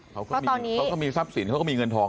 เขาก็มีทรัพย์สินเขาก็มีเงินทอง